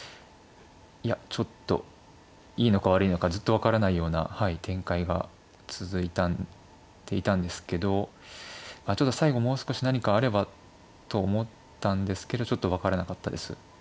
いやちょっといいのか悪いのかずっと分からないような展開が続いていたんですけどちょっと最後もう少し何かあればと思ったんですけどちょっと分からなかったです。